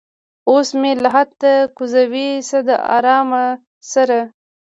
اوس مې لحد ته کوزوي څه د ارامه سره